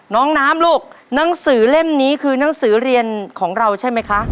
น้องน้ำลูกหนังสือเล่มนี้คือหนังสือเรียนของเราใช่ไหมคะ